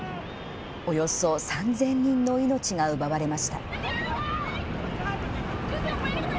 およそ３０００人の命が奪われました。